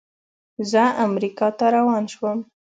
زه امریکا ته روان شوم.